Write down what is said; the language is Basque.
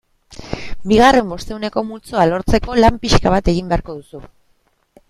Bigarren bostehuneko multzoa lortzeko lan pixka bat egin beharko duzu.